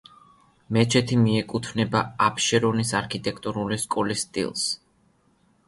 მეჩეთი მიეკუთვნება აფშერონის არქიტექტურული სკოლის სტილს.